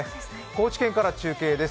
高知県から中継です。